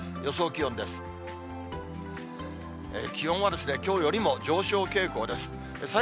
気温は、きょうよりも上昇傾向です。